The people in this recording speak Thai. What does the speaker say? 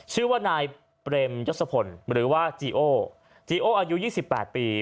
ชื่อว่านายเปรมยศพลหรือว่าจีโอจีโออายุ๒๘ปี